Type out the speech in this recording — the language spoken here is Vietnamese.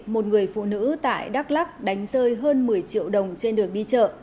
một người phụ nữ tại đắk lắc đánh rơi hơn một mươi triệu đồng trên đường đi chợ